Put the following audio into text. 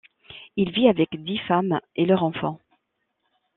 Il vit avec dix femmes et leurs enfants.